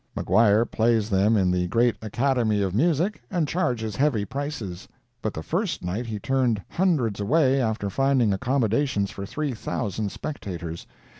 Maguire plays them in the great Academy of Music, and charges heavy prices; but the first night he turned hundreds away after finding accommodations for three thousand spectators.